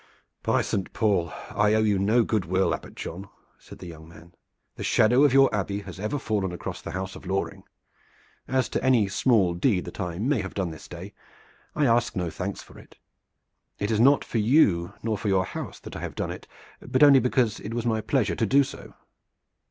"By Saint Paul! I owe you no good will, Abbot John," said the young man. "The shadow of your Abbey has ever fallen across the house of Loring. As to any small deed that I may have done this day, I ask no thanks for it. It is not for you nor for your house that I have done it, but only because it was my pleasure so to do."